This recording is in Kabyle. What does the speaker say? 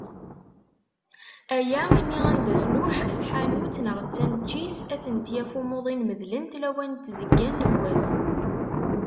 Aya imi anda tnuḥ tḥanut neɣ d taneččit, ad tent-yaf umuḍin medlent lawan n tzeggant n wass.